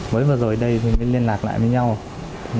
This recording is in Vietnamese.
mới vừa rồi đây thì mới liên lạc lại với nhau